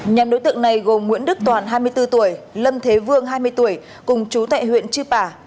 nhóm đối tượng này gồm nguyễn đức toàn hai mươi bốn tuổi lâm thế vương hai mươi tuổi cùng chú tại huyện chư pả